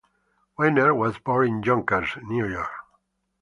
Weiner was born in Yonkers, New York.